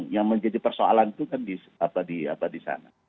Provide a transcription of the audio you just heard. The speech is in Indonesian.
yang menjadi persoalan itu kan di sana